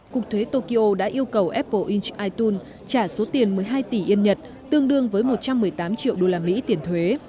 cục thuế tokyo đã yêu cầu apple inch itune trả số tiền một mươi hai tỷ yên nhật tương đương với một trăm một mươi tám triệu usd tiền thuế